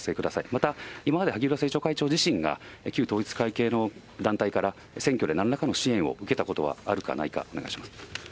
また今まで萩生田政調会長自身が、旧統一教会系の団体から、選挙でなんらかの支援を受けたことはあるかないかお願いします。